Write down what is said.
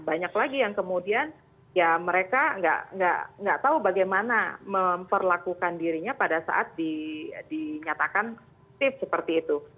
banyak lagi yang kemudian ya mereka nggak tahu bagaimana memperlakukan dirinya pada saat dinyatakan tips seperti itu